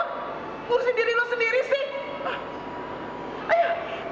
ngurusin diri lu sendiri sih